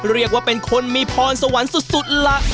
เรียกว่าเป็นคนมีพรสวรรค์สุดล่ะ